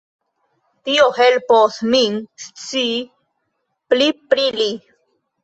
Tio helpos min scii pli pri li.